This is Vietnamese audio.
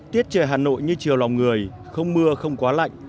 tiết trời hà nội như chiều lòng người không mưa không quá lạnh